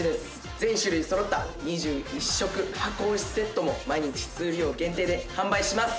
全種類そろった２１食箱推しセットも毎日数量限定で販売します。